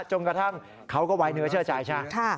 จนกระทั่งเขาก็ไว้เนื้อเชื่อใจใช่ไหม